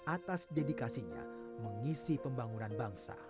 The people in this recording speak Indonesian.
dua ribu dua belas atas dedikasinya mengisi pembangunan bangsa